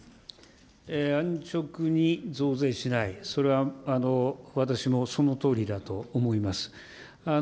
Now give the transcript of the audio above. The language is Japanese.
安直に増税しない、それは私もそのとおりだと思います。